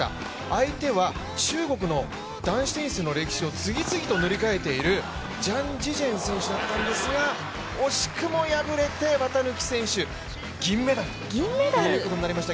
相手は中国の男子テニスの歴史を次々と塗り替えている張之臻選手だったんですが惜しくも敗れて綿貫選手、銀メダルとなりました。